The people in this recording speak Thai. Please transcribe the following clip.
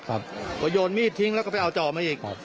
ครับกระโยนมีดทิ้งแล้วก็ไปเอาจอบอีกครับ